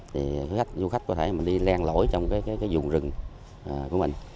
thì du khách có thể đi len lỗi trong cái vùng rừng của mình